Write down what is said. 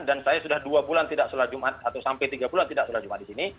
dan saya sudah dua bulan tidak selamat jumat atau sampai tiga bulan tidak selamat jumat di sini